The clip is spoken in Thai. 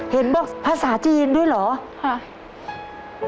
เห็นบอกภาษาจีนด้วยเหรอ